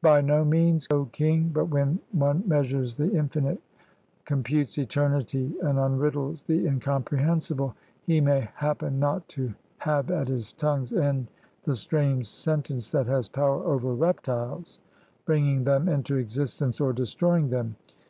By no means, O king; but when one measures the infinite, computes eternity, and unriddles the incom prehensible, he may happen not to have at his tongue's end the strange sentence that has power over reptiles, bringing them into existence or destroying them.